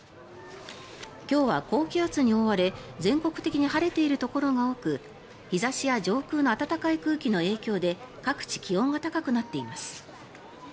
今日は高気圧に覆われ全国的に晴れているところが多く日差しや上空の暖かい空気の影響で各地、気温が高くなっています。